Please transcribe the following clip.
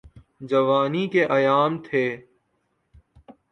جوانی کے ایام تھے۔